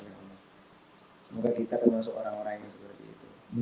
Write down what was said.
semoga kita termasuk orang orang yang seperti itu